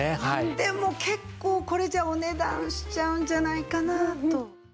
でも結構これじゃお値段しちゃうんじゃないかなと。